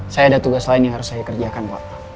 saya ada tugas lain yang harus saya kerjakan pak